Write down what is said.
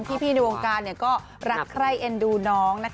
พี่ในวงการก็รักใคร่เอ็นดูน้องนะคะ